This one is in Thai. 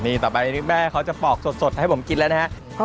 นี่ต่อไปแม่เขาจะปอกสดให้ผมกินแล้วนะครับ